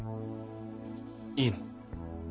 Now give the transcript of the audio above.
いいの？